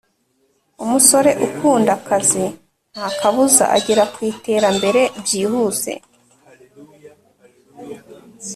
Umusore ukunda akazi ntakabuza agera ku iterambere byihuse